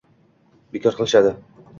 Bekor qilishadi.